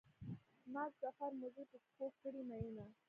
ما د سفر موزې په پښو کړې مینه.